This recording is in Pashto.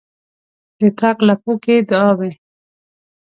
د تاک لپو کښې دعاوې،